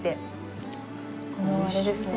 このあれですね。